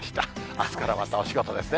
あすからまた、お仕事ですね。